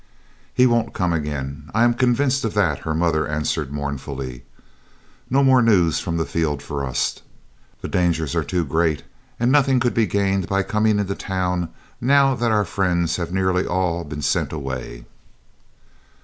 "He won't come again, I am convinced of that," her mother answered mournfully. "No more news from the field for us. The dangers are too great, and nothing could be gained by coming into town now that our friends have nearly all been sent away."